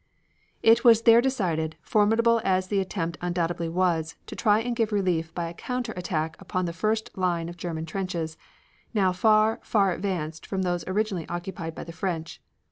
It was there decided, formidable as the attempt undoubtedly was, to try and give relief by a counter attack upon the first line of German trenches, now far, far advanced from those originally occupied by the French.